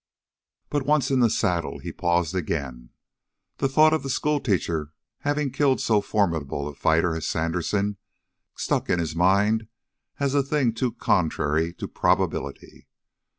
But once in the saddle he paused again. The thought of the schoolteacher having killed so formidable a fighter as Sandersen stuck in his mind as a thing too contrary to probability.